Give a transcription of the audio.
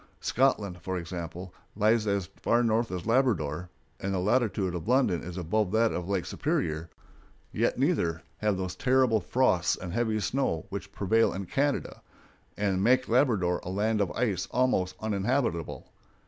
Scotland, for example, lies as far north as Labrador, and the latitude of London is above that of Lake Superior, yet neither have those terrible frosts and heavy snows which prevail in Canada, and make Labrador a land of ice almost uninhabitable.